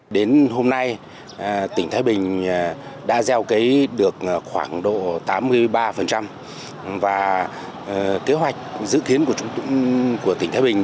đến hôm nay tỉnh thái bình đã gieo cấy được khoảng độ tám mươi ba và kế hoạch dự kiến của tỉnh thái bình